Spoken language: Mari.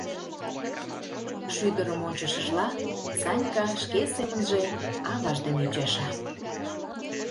Шӱдырым ончышыжла Санька шке семынже аваж дене ӱчаша.